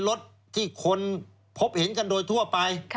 รถที่คนพบเห็นกันโดยทั่วไป